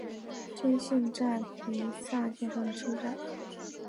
真幸站肥萨线上的车站。